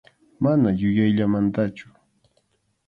Mana yuyayllamantachu.